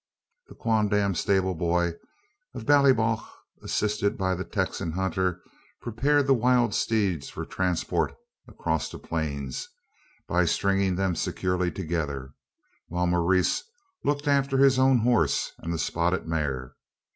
The quondam stable boy of Ballyballagh, assisted by the Texan hunter, prepared the wild steeds for transport across the plains by stringing them securely together while Maurice looked after his own horse and the spotted mare.